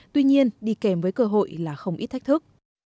tuy nhiên đi kèm với cơ hội là không ít thách thức